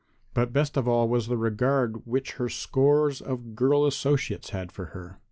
But best of all was the regard which her scores of girl associates had for her.